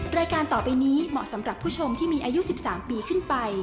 รายการต่อไปนี้เหมาะสำหรับผู้ชมที่มีอายุ๑๓ปีขึ้นไป